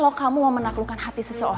aku akan berada di sekitar karena